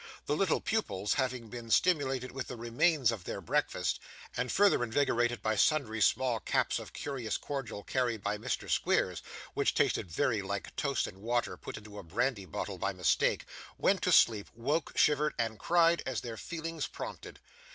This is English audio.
The little pupils having been stimulated with the remains of their breakfast, and further invigorated by sundry small cups of a curious cordial carried by Mr. Squeers, which tasted very like toast and water put into a brandy bottle by mistake, went to sleep, woke, shivered, and cried, as their feelings prompted.